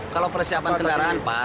kalau persiapan kendaraan pas